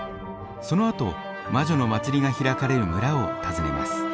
そのあと魔女の祭りが開かれる村を訪ねます。